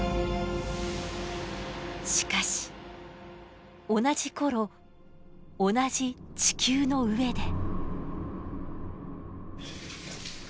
しかし同じ頃同じ地球の上で。